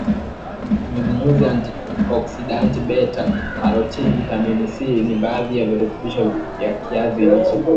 nyuzinyuzi anti oksidanti beta karotini vitamini c ni baadhi ya virutubisho vya kiazi lishe